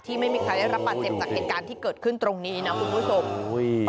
ไม่มีใครได้รับบาดเจ็บจากเหตุการณ์ที่เกิดขึ้นตรงนี้นะคุณผู้ชม